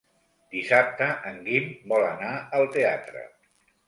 Dissabte en Guim vol anar al teatre.